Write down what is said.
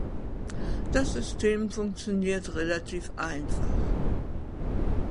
Das System funktioniert relativ einfach.